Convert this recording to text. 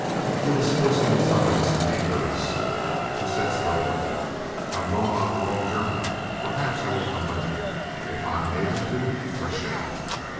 He was forcing his eyes to meet hers. He said slowly: "I am going on a long journey. Perhaps I will come back. If I am able to, I shall."